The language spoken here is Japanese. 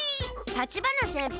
立花先輩。